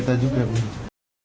orang orang di udara